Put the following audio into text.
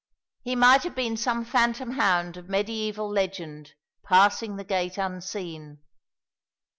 He might have been some phantom hound of mediæval legend, passing the gate unseen.